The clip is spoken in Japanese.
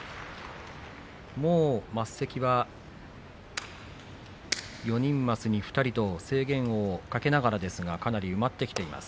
もう升席は４人席に２人と制限をかけながらですがかなり埋まってきています。